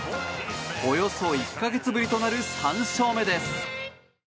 およそ１か月ぶりとなる３勝目です。